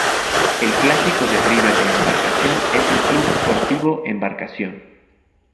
El clásico de River de Embarcación es el Club Sportivo Embarcación.